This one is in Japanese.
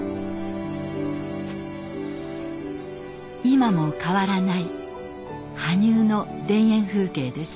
今も変わらない羽生の田園風景です。